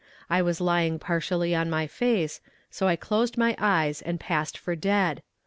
I was lying partially on my face, so I closed my eyes and passed for dead.